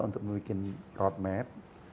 untuk membuat road map